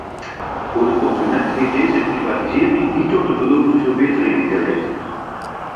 Voor de consument heeft deze privatisering niet tot de beloofde verbeteringen geleid.